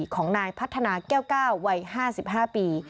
ของนายพัฒนาแก้ว๙วัย๕๕ปี